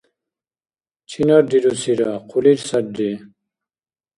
Чинар рирусира? Хъулир сарри.